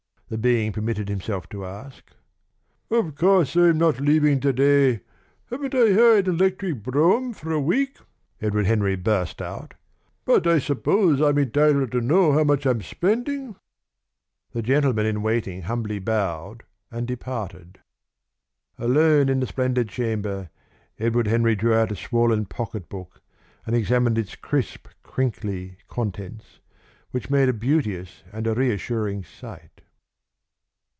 the being permitted himself to ask. "Of course I'm not leaving to day! Haven't I hired an electric brougham for a week?" Edward Henry burst out. "But I suppose I'm entitled to know how much I'm spending!" The gentleman in waiting humbly bowed, and departed. Alone in the splendid chamber, Edward Henry drew out a swollen pocketbook and examined its crisp, crinkly contents, which made a beauteous and a reassuring sight.